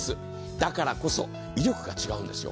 だからこそ威力が違うんですよ。